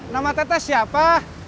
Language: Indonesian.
nama teteh siapa